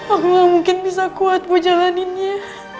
aku gak mungkin bisa kuat gue jalaninnya